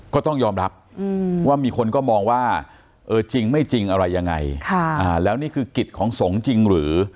ก็ต้องยอมรับว่ามีคนก็มองว่าเออจริงไม่จริงอะไรยังไงแล้วนี่คือกิจของสงฆ์จริงหรือ